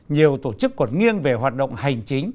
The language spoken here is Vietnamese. nhiều tổ chức còn nghiêng về hoạt động hành chính